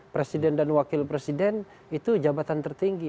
presiden dan wakil presiden itu jabatan tertinggi